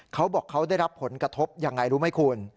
เขาบอกเขาได้รับผลกระทบยังไงรู้ไหมคุณ